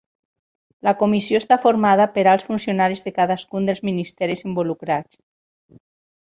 La comissió està formada per alts funcionaris de cadascun dels ministeris involucrats.